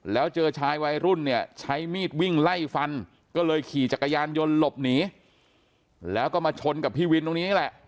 แล้วเจอชายวัยรุ่นเนี่ยใช้มีดวิ่งไล่ฟันก็เลยขี่จักรยานยนต์หลบหนีแล้วก็มาชนกับพี่วินตรงนี้แหละ